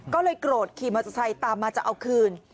ก็เลยโกรธขี่มอเตอร์ไซค์ตามมาจะเอาคืน